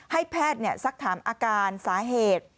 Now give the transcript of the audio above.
ให้แพทย์สักถามอาการสาเหตุ